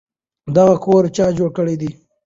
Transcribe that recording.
دغه کور چا جوړ کړی دی؟